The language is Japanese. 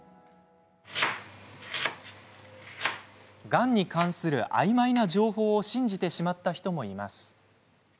がんに関するあいまいな情報を信じてしまった人もいます。